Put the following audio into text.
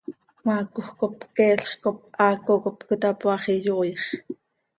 Cmaacoj cop queelx cop haaco cop cöitapoaax, iyooix.